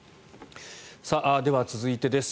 では、続いてです。